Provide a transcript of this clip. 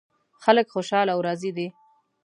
خلک خوشحال او راضي دي